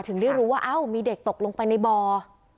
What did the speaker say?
ถึงได้รู้ว่าเอ้ามีเด็กตกลงไปในบ่อ